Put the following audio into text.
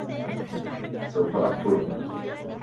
سوف أقتلك.